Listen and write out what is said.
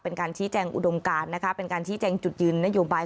เป็นการชี้แจงอุดมการนะคะเป็นการชี้แจงจุดยืนนโยบาย